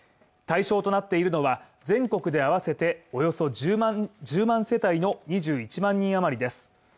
対象となっているのは全国で合わせておよそ１０万世帯の２１万人余りです。